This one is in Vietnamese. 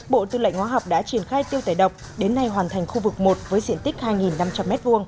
bộ tư lệnh hóa học đã triển khai tiêu tẩy độc đến nay hoàn thành khu vực một với diện tích hai năm trăm linh m hai